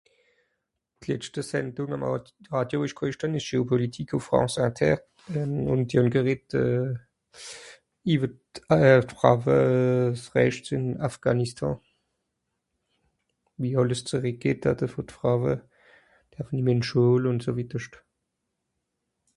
d'letschte sendung àm radio ìsch k'orìsch hàn esch géopolitique ùff France Inter euh ùn die hàn gerett euh iver d'Frawesrechts ìn Afghanistan wie àlles zùreck geht datte ver d'Frawe dàvon die (menschhol) ùn so wiederscht